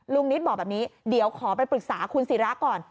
นิตบอกแบบนี้เดี๋ยวขอไปปรึกษาคุณศิราก่อน